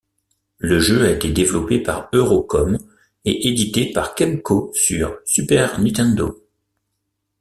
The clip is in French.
Le jeu a été développé par Eurocom et édité par Kemco sur Super Nintendo.